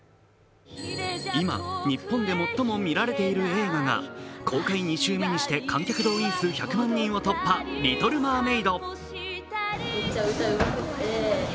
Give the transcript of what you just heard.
今、日本で最も見られている映画が公開２週目にして、観客動員数１００万人を突破、「リトル・マーメイド」。